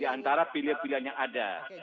di antara pilihan pilihan yang ada